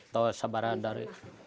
tadi sebarang dari